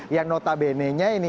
yang notabene nya ini